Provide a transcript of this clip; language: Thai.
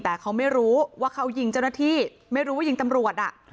แต่เขาไม่รู้ว่าเขายิงเจ้าหน้าที่ไม่รู้ว่ายิงตำรวจอ่ะ